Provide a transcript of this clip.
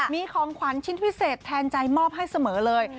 มีของขวัญชิ้นพิเศษแทนใจมอบให้เสมอเลย